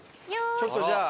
ちょっとじゃあ。